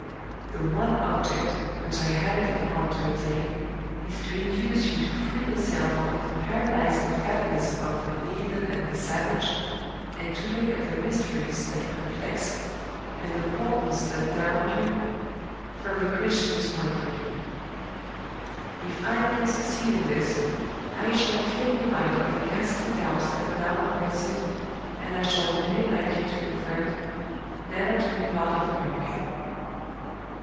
The one object which I have it at heart to attain is to induce you to free yourself from the paralyzing fatalism of the heathen and the savage, and to look at the mysteries that perplex, and the portents that daunt you, from the Christian's point of view. If I can succeed in this, I shall clear your mind of the ghastly doubts that now oppress it, and I shall reunite you to your friend, never to be parted from him again.